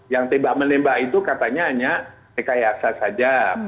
yang tembak menembak itu katanya hanya rekayasa saja